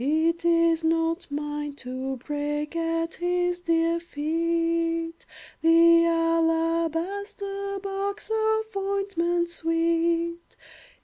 It is not mine to break At his dear feet The alabaster box Of ointment sweet.